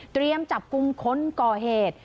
เตรียมจับคุ้มค้นก่อเหตุ